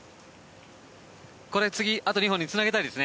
これで次あと２本につなげたいですね。